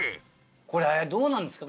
これどうなんですか？